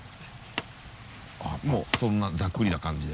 あっもうそんなざっくりな感じで。